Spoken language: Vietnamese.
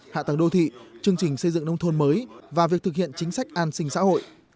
hạ tầng đô thị chương trình xây dựng nông thôn mới và việc thực hiện chính sách an sinh xã hội